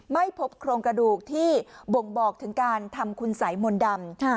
ไม่พบโครงกระดูกที่บ่งบอกถึงการทำคุณสัยมนต์ดำ